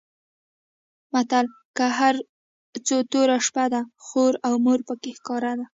متل؛ که هر څو توره شپه ده؛ خور او مور په کې ښکاره ده.